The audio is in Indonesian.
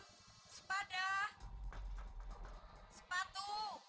permisi malam sepada sepatu